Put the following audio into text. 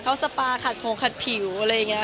เข้าที่สปาขาดโผงขาดผิวอะไรเนี่ย